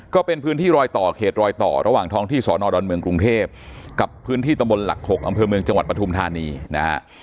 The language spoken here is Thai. ก็เป็นพื้นที่รอยต่อเขตรอยต่อระหว่างท้องที่สอนอดอนเมืองกรุงเทพกับพื้นที่ตำบลหลัก๖อำเภอเมืองจังหวัดปฐุมธานีนะฮะ